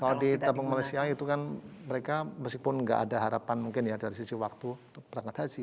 kalau di tabung malaysia itu kan mereka meskipun nggak ada harapan mungkin ya dari sisi waktu untuk berangkat haji